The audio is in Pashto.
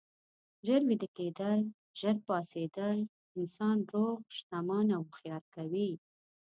ژر ویده کیدل، ژر پاڅیدل انسان روغ، شتمن او هوښیار کوي.